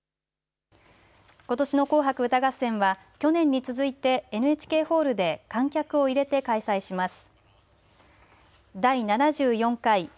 ことしの紅白歌合戦は去年に続いてＮＨＫホールで観客を入れて開催します。